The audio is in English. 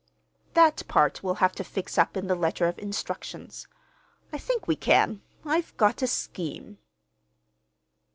"That part we'll have to fix up in the letter of instructions. I think we can. I've got a scheme."